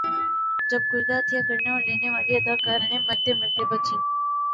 جب گردہ عطیہ کرنے اور لینے والی اداکارائیں مرتے مرتے بچیں